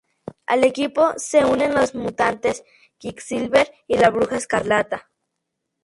Al equipo se unen los mutantes Quicksilver y la Bruja Escarlata.